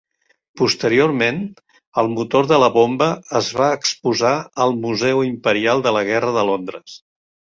Posteriorment, el motor de la bomba es va exposar al Museu Imperial de la Guerra de Londres.